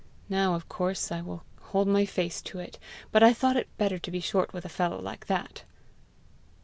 Now, of course, I will hold my face to it; but I thought it better to be short with a fellow like that."